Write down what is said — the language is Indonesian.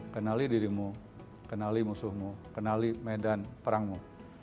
kenali dirimu kenali musuhmu kenali medan perangmu